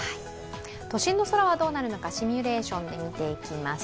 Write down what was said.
都心の空はどうなるのかシミュレーションで見ていきます。